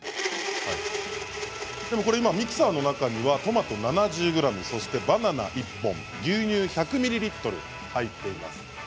今、ミキサーの中にはトマト７０ｇ、バナナ１本牛乳１００ミリリットル入っています。